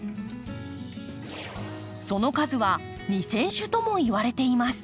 その数は２，０００種ともいわれています。